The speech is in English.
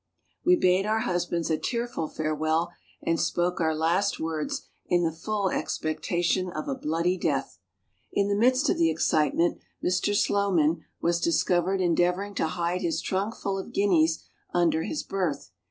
We bade our husbands a tearful farewell and spoke our last words in the full expectation of a bloody death. In the midst of the excitement Mr. Slow man was discovered endeavoring to hide his trunk full of guineas under his berth.